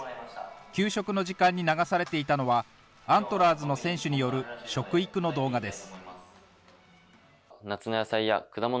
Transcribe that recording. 給食の時間に流されていたのは、アントラーズの選手による食育の動画です。